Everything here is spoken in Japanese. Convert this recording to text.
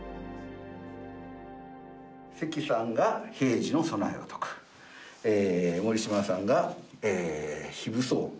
関さんが平時の備えを説く森嶋さんが非武装を説く。